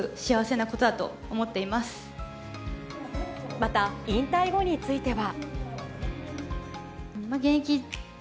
また、引退後については。